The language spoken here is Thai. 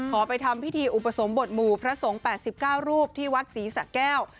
ไปทำพิธีอุปสมบทหมู่พระสงฆ์๘๙รูปที่วัดศรีสะแก้ว